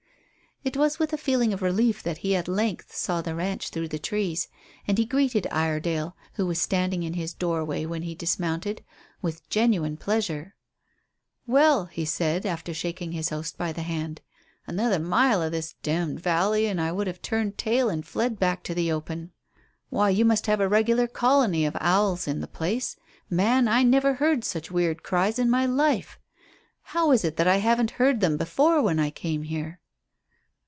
It was with a feeling of relief that he at length saw the ranch through the trees, and he greeted Iredale, who was standing in his doorway when he dismounted, with genuine pleasure. "Well," he said, after shaking his host by the hand, "another mile of this d d valley and I should have turned tail and fled back to the open. Why, you must have a regular colony of owls in the place. Man, I never heard such weird cries in my life. How is it that I haven't heard them before when I came here?"